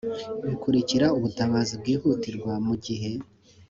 Bikurikira ubutabazi bwihutirwa mu gihe